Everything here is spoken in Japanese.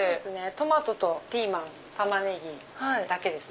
トマトとピーマンタマネギだけです。